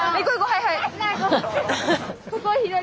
はいはい。